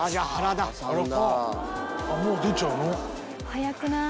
早くない？